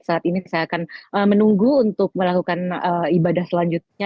saat ini saya akan menunggu untuk melakukan ibadah selanjutnya